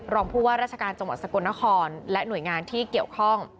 รองผู้ว่าราชการจังหวัดสกลนครและหน่วยงานที่เกี่ยวข้อง